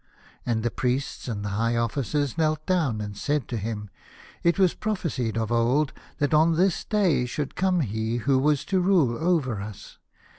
And the priests and the high officers knelt down and said to him, "It was prophesied of old that on this day should come he who was to rule over us.